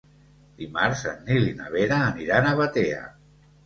Dimarts en Nil i na Vera aniran a Batea.